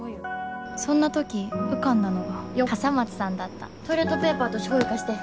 そんな時浮かんだのが笠松さんだったトイレットペーパーとしょうゆ貸して。